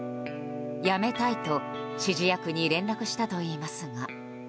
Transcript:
辞めたいと、指示役に連絡したといいますが。